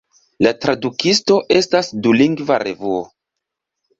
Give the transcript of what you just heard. La Tradukisto estas dulingva revuo.